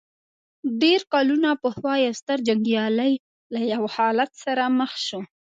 ډېر کلونه پخوا يو ستر جنګيالی له يوه حالت سره مخ شو.